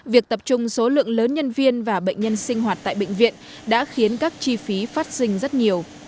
việc tập trung số lượng lớn nhân viên và bệnh nhân sinh hoạt tại bệnh viện đã khiến các chi phí phát sinh rất nhiều